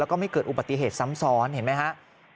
แล้วก็ไม่เกิดอุบัติเหตุซ้ำซ้อนเห็นไหมครับ